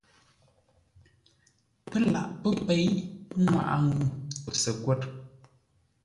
Pə́ laghʼ pə́ pěi nŋwáʼa ŋuu səkwə̂r.